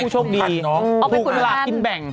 ผู้โชคดีเอาไปกุญแรมกินแบ่ง